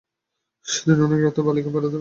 সেদিন অনেক রাত্রে বালিকা বাড়িতে ফিরিয়া গেল।